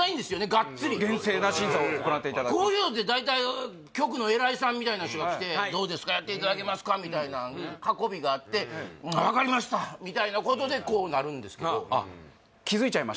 がっつり厳正な審査を行っていただくこういうのって大体局の偉いさんみたいな人が来てどうですかやっていただけますかみたいな運びがあって分かりましたみたいなことでこうなるんですけどあっ